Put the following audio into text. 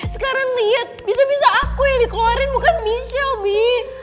sekarang liat bisa bisa aku yang dikeluarin bukan michelle mi